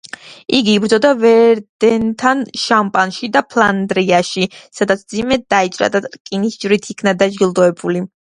იგი იბრძოდა ვერდენთან, შამპანში და ფლანდრიაში, სადაც მძიმედ დაიჭრა და რკინის ჯვრით იქნა დაჯილდოებული.